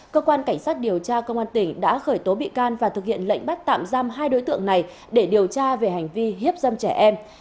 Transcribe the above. cơ quan cảnh sát điều tra công an tỉnh đã khởi tố bị can và thực hiện lệnh bắt tạm giam hai đối tượng này để điều tra về hành vi hiếp dâm trẻ em